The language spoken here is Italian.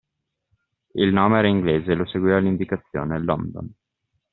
E il nome era inglese e lo seguiva l’indicazione: London.